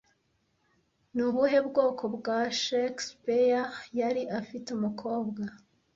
Ni ubuhe bwoko bwa Shakespeare yari afite umukobwa